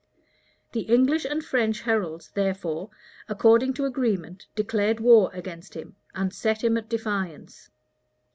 The English and French heralds, therefore, according to agreement, declared war against him, and set him at defiance.